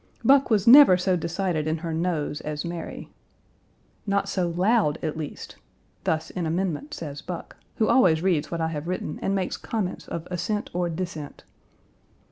Buck was never so decided in her "Nos" as Mary. ("Not so loud, at least" thus in amendment, says Buck, who always reads what I have written, and makes comments of assent or dissent.)